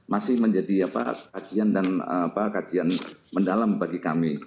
masih menjadi kajian mendalam bagi kami